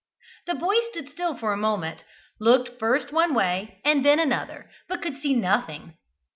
The boy stood still for a moment, looked first one way and then another, but could see nothing.